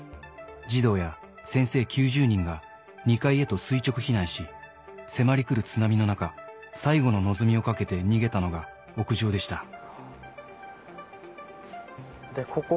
児童や先生９０人が２階へと垂直避難し迫り来る津波の中最後の望みをかけて逃げたのが屋上でした。